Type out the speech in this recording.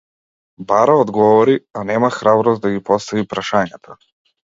Бара одговори, а нема храброст да ги постави прашањата.